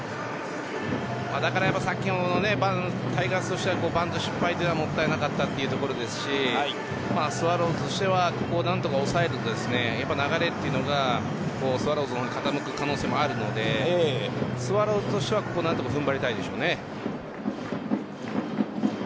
だからタイガースとしてはさっきのバント失敗はもったいなかったというところですしスワローズとしてはここを何とか抑えると流れというのがスワローズの方に傾く可能性もあるのでスワローズとしてはここを何とか踏ん張りたいでしょうね。